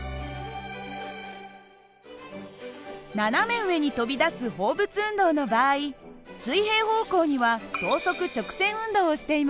斜め上に飛び出す放物運動の場合水平方向には等速直線運動をしています。